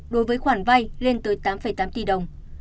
đối với khoản vay lên tới tám tám tỷ đồng